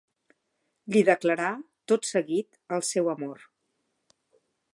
Li declarà tot seguit el seu amor.